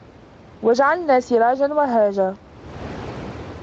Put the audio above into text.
وَجَعَلنا سِراجًا وَهّاجًا